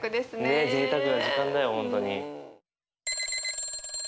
ねっぜいたくな時間だよ本当に。